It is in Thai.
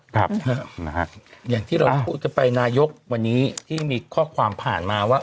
ครับนะฮะอย่างที่เราพูดกันไปนายกวันนี้ที่มีข้อความผ่านมาว่า